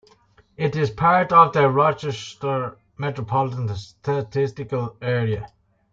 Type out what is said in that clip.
It is part of the Rochester Metropolitan Statistical Area.